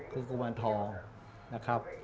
คือกวันทองนะครับ